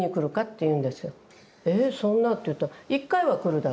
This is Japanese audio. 「ええそんな」って言ったら「一回は来るだろう。